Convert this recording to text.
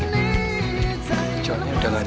biar aku dengar